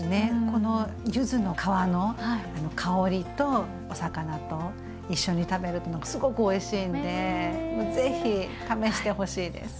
この柚子の皮の香りとお魚と一緒に食べるとすごくおいしいんでぜひ試してほしいです。